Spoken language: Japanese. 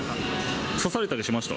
刺されたりしました？